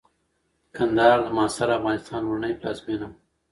کندهار د معاصر افغانستان لومړنۍ پلازمېنه وه.